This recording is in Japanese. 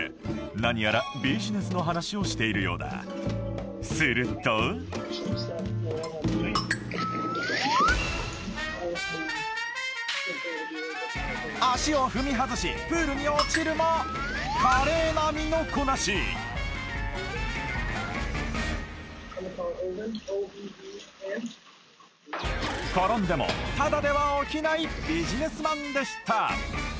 何やらビジネスの話をしているようだすると足を踏み外しプールに落ちるも華麗な身のこなし転んでもただでは起きないビジネスマンでした